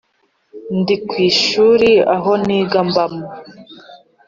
ndi ku ishuri aho niga mbamo.